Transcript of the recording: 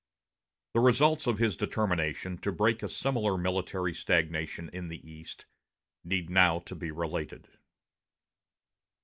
The results of his determination to break a similar military stagnation in the East need now to be related.